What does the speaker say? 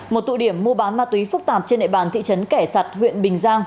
một tụ điểm mua bán ma túy phức tạp trên nệ bàn thị trấn kẻ sặt huyện bình giang